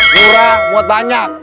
murah muat banyak